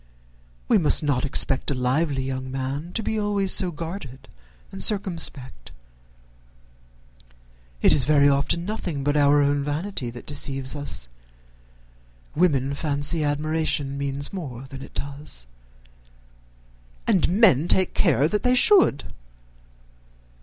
We must not expect a lively young man to be always so guarded and circumspect. It is very often nothing but our own vanity that deceives us. Women fancy admiration means more than it does." "And men take care that they should."